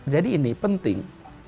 jadi ini penting